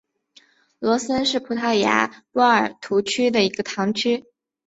罗森是葡萄牙波尔图区的一个堂区。